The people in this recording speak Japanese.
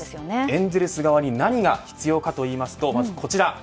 エンゼルス側に何が必要かと言いますとこちら。